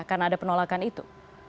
karena ada penolakan itu